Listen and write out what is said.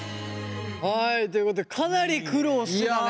はいということでかなり苦労してたね。